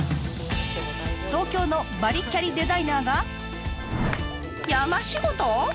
東京のバリキャリデザイナーが山仕事！？